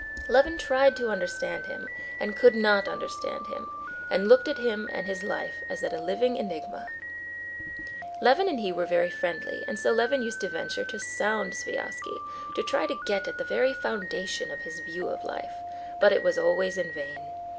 Levin tried to understand him, and could not understand him, and looked at him and his life as at a living enigma. Levin and he were very friendly, and so Levin used to venture to sound Sviazhsky, to try to get at the very foundation of his view of life; but it was always in vain.